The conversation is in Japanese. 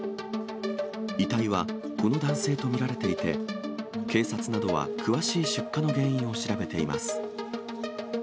遺体はこの男性と見られていて、警察などは詳しい出火の原因を調べています。